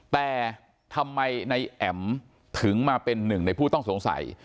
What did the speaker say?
แต่ทำไมในแอ๋มถึงมาเป็นหนึ่งในผู้ต้องสงสัย